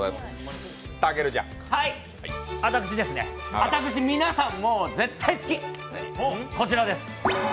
私、皆さんもう絶対好き、こちらです。